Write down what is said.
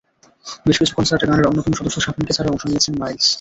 বেশ কিছু কনসার্টে গানের অন্যতম সদস্য শাফিনকে ছাড়া অংশ নিয়েছে মাইলস।